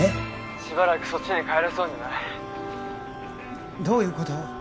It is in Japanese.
☎しばらくそっちに帰れそうにないどういうこと？